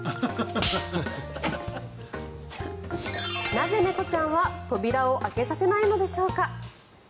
なぜ猫ちゃんは扉を開けさせないのでしょうか。